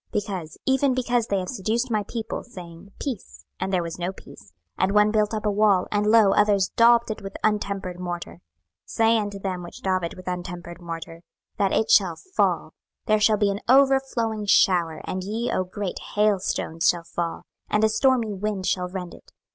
26:013:010 Because, even because they have seduced my people, saying, Peace; and there was no peace; and one built up a wall, and, lo, others daubed it with untempered morter: 26:013:011 Say unto them which daub it with untempered morter, that it shall fall: there shall be an overflowing shower; and ye, O great hailstones, shall fall; and a stormy wind shall rend it.